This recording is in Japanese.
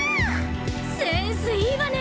センスいいわね！